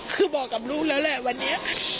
คือบอกกับลูกแล้วแหละวันนี้